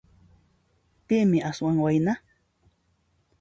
Pin aswan wayna?